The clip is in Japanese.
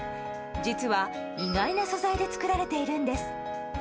実は、意外な素材で作られているんです。